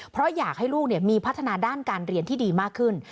เพราะอยากให้ลูกมีพัฒนาด้านการเรียนที่ดีมากขึ้น